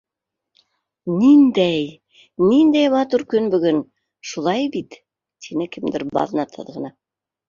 —Ниндәй... ниндәй матур көн бөгөн, шулай бит? —тине кемдер баҙнатһыҙ ғына.